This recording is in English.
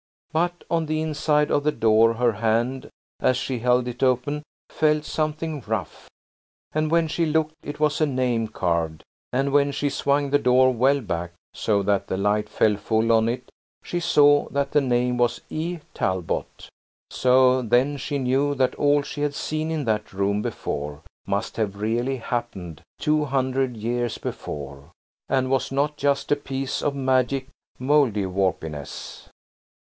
But on the inside of the door her hand, as she held it open, felt something rough. And when she looked it was a name carved, and when she swung the door well back so that the light fell full on it she saw that the name was "E. Talbot." So then she knew that all she had seen in that room before must have really happened two hundred years before, and was not just a piece of magic Mouldiwarpiness.